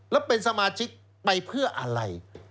แล้วเป็นสมาชิกไปเพื่ออะไร